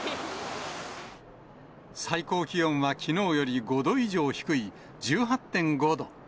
最高気温はきのうより５度以上低い１８．５度。